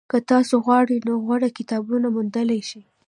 که تاسو وغواړئ نو غوره کتابونه موندلی شئ.